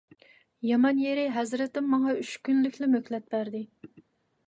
يامان يېرى، ھەزرىتىم ماڭا ئۈچ كۈنلۈكلا مۆھلەت بەردى.